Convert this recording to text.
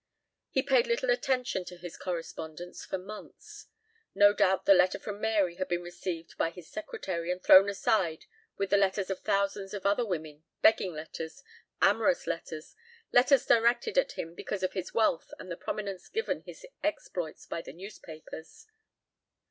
He had paid little attention to his correspondence for months. No doubt the letter from Mary had been received by his secretary and thrown aside with the letters of thousands of other women, begging letters, amorous letters, letters directed at him because of his wealth and the prominence given his exploits by the newspapers.